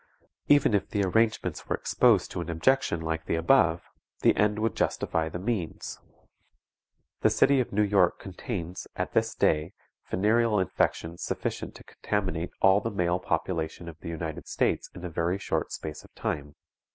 Even if the arrangements were exposed to an objection like the above, the end would justify the means. The city of New York contains, at this day, venereal infection sufficient to contaminate all the male population of the United States in a very short space of time.